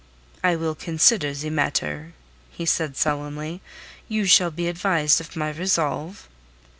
"I will consider the matter," he said sullenly. "You shall be advised of my resolve."